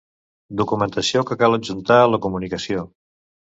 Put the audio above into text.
Documentació que cal adjuntar a la comunicació.